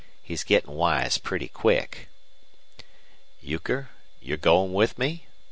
He's gettin' wise pretty quick." "Euchre, you're going with me?"